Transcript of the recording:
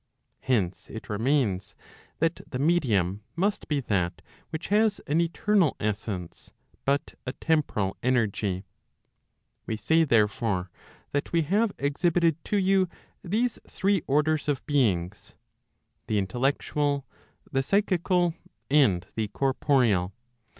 Hence it remains that the medium must be that which has an eternal essence, but a temporal energy. We say therefore, that we have exhibited to you these three orders of beings, the intellectual, the psychical,* and the corporeal.